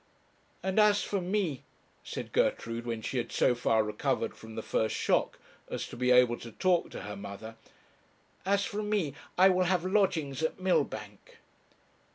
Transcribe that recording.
'And as for me,' said Gertrude, when she had so far recovered from the first shock as to be able to talk to her mother 'as for me, I will have lodgings at Millbank.'